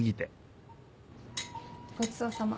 ごちそうさま。